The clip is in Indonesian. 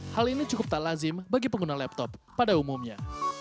hal ini cukup tak lazim bagi pengguna laptop pada umumnya